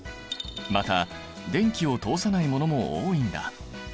また電気を通さないものも多いんだ。